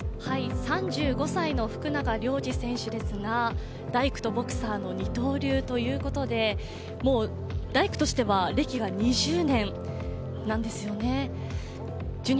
３５歳の福永亮次選手ですが、大工とボクサーの二刀流ということでもう大工としては歴が２０年なんですよね。